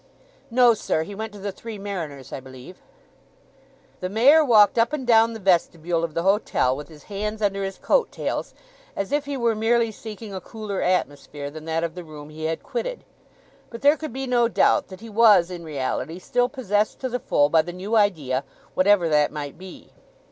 "No, sir. He went to the Three Mariners, I believe." The mayor walked up and down the vestibule of the hotel with his hands under his coat tails, as if he were merely seeking a cooler atmosphere than that of the room he had quitted. But there could be no doubt that he was in reality still possessed to the full by the new idea, whatever that might be.